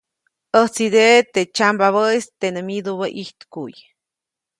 ʼÄjtsideʼe teʼ tsyambabäʼis teʼ nä myidubä ʼijtkuʼy.